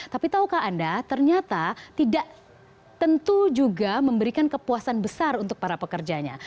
tapi tahukah anda ternyata tidak tentu juga memberikan kepuasan besar untuk para pekerjanya